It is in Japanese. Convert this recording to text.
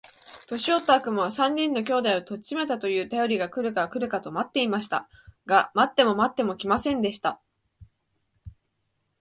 年よった悪魔は、三人の兄弟を取っちめたと言うたよりが来るか来るかと待っていました。が待っても待っても来ませんでした。